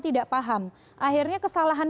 tidak paham akhirnya kesalahan